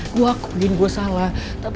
gue akuin gue salah